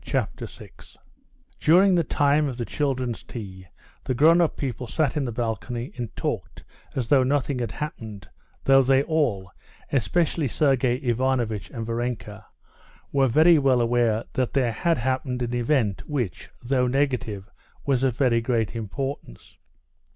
Chapter 6 During the time of the children's tea the grown up people sat in the balcony and talked as though nothing had happened, though they all, especially Sergey Ivanovitch and Varenka, were very well aware that there had happened an event which, though negative, was of very great importance.